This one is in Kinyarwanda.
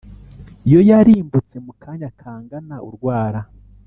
yo yarimbutse mu kanya kangana urwara,